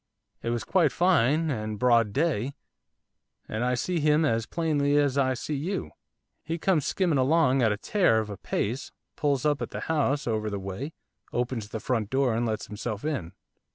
It was quite fine, and broad day, and I see him as plainly as I see you, he comes skimming along at a tear of a pace, pulls up at the house over the way, opens the front door, and lets himself in.